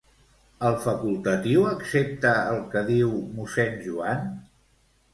El facultatiu accepta el que diu mossèn Joan?